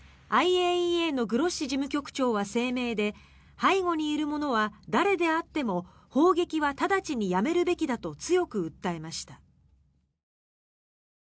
ＩＡＥＡのグロッシ事務局長は声明で背後にいる者は誰であっても砲撃は直ちにやめるべきだと強く訴えました。